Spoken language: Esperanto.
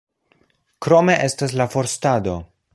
Krome estas la forstado.